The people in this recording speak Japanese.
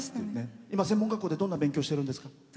今、専門学校でどんな勉強してるんですか？